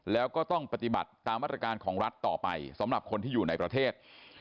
แล้วก็ต้องปฏิบัติตามมาตรการของรัฐต่อไปสำหรับคนที่อยู่ในประเทศ